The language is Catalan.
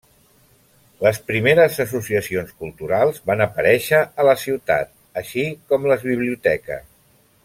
Les primeres associacions culturals van aparèixer a la ciutat, així com les biblioteques.